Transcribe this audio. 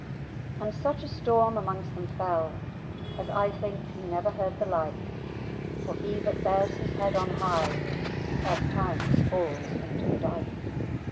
And such a storm amongst them fell, As I think you never heard the like; For he that bears his head on high, He oft tymes falls into the dyke.